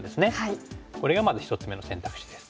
これがまず１つ目の選択肢です。